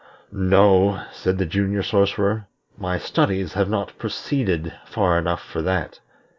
"No," said the Junior Sorcerer, "my studies have not proceeded far enough for that.